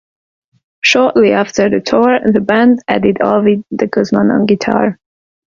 Shortly after the tour, the band added Alvin DeGuzman on guitar.